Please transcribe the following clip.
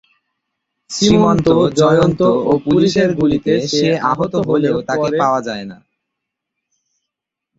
শ্রীমন্ত, জয়ন্ত ও পুলিশের গুলিতে সে আহত হলেও তাকে পাওয়া যায়না।